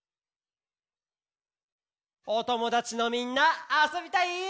おともだちのみんなあそびたい？